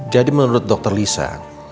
jadi menurut dokter lisa